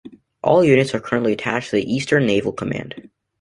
All units are currently attached to the Eastern Naval Command.